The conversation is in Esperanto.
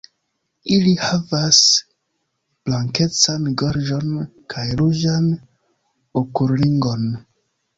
Ili havas blankecan gorĝon kaj ruĝan okulringon.